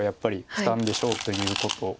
使うんでしょうということも。